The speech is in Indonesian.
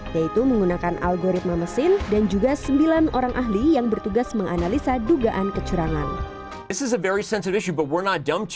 yaitu menggunakan algoritma mesin dan juga sembilan orang ahli yang bertugas menganalisa dugaan kecurangan